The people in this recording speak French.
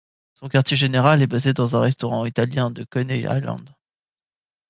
Son quartier général est basé dans un restaurant italien de Coney Island.